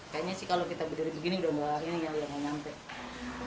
kayaknya sih kalau kita berdiri begini udah nggak nyampe